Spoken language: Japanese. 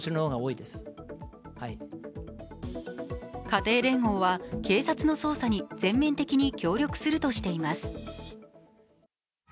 家庭連合は、警察の捜査に全面的に協力するとしています。